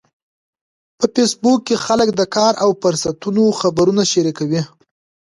په فېسبوک کې خلک د کار او فرصتونو خبرونه شریکوي